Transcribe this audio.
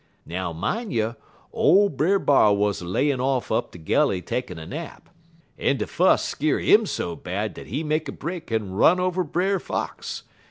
"Now, mine you, ole Brer B'ar wuz layin' off up de gully takin' a nap, en de fuss skeer 'im so bad dat he make a break en run over Brer Fox.